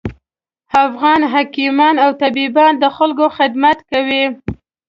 افغان حکیمان او طبیبان د خلکوخدمت کوي